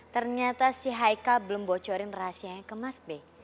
ternyata si haika belum bocorin rahasianya ke mas b